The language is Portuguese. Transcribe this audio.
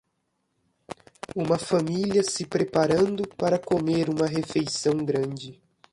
Uma família se preparando para comer uma refeição grande.